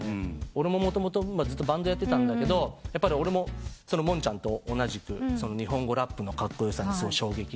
俺ももともとずっとバンドやってたんだけどやっぱり俺もモンちゃんと同じく日本語ラップのカッコよさに衝撃受けて。